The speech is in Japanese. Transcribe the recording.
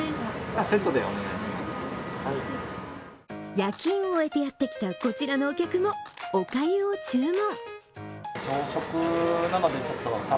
夜勤を終えてやってきたこちらのお客も、おかゆを注文。